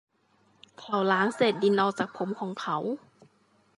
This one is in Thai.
เขาล้างเศษดินออกจากผมของเขา